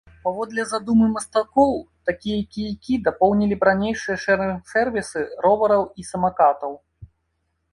Паводле задумы мастакоў, такія кійкі дапоўнілі б ранейшыя шэрынг-сэрвісы ровараў і самакатаў.